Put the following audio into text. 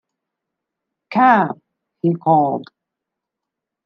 ‘Cab!’ he called.